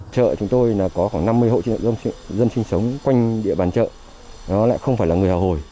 chợ chúng tôi có khoảng năm mươi hộ dân sinh sống quanh địa bàn chợ nó lại không phải là người hà hồi